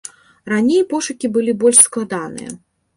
Раней пошукі былі больш складаныя.